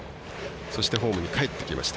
そしてホームにかえってきました。